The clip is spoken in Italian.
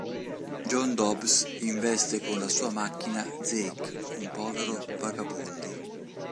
John Dobbs investe con la sua macchina Zeke, un povero vagabondo.